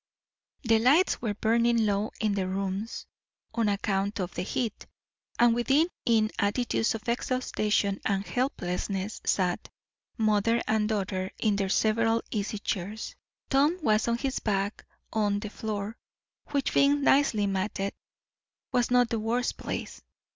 The lights were burning low in the rooms, on account of the heat; and within, in attitudes of exhaustion and helplessness sat mother and daughter in their several easy chairs. Tom was on his back on the floor, which, being nicely matted, was not the worst place.